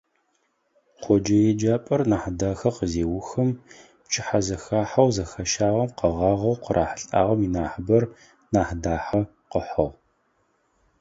Къоджэ еджапӏэр Нахьдахэ къызеухым, пчыхьэзэхахьэу зэхащагъэм къэгъагъэу къырахьылӏагъэм инахьыбэр Нахьдахэ къыхьыгъ.